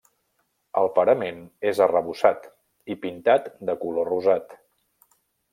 El parament és arrebossat i pintat de color rosat.